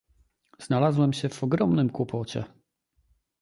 "Znalazłem się w ogromnym kłopocie."